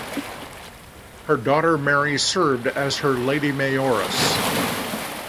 Her daughter Mary served as her Lady Mayoress.